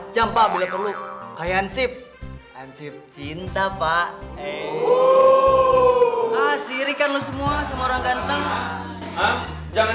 jam pak bila perlu kayak ansip ansip cinta pak eh uh sirikan lu semua sama orang ganteng jangan